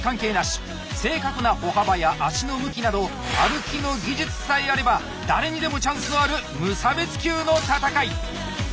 正確な歩幅や足の向きなど歩きの技術さえあれば誰にでもチャンスのある無差別級の戦い！